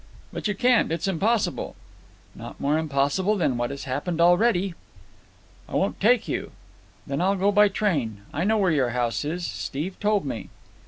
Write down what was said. "But you can't. It's impossible." "Not more impossible than what has happened already." "I won't take you." "Then I'll go by train. I know where your house is. Steve told me."